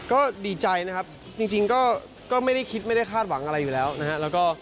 ก็ดีใจนะครับจริงก็ไม่ได้คิดไม่ได้คาดหวังอะไรอยู่แล้วนะฮะ